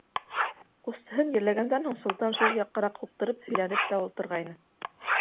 Ҡустыһын ерләгәндән һуң Солтан шул яҡҡараҡ һуҡтырып һөйләнеп тә ултырғайны: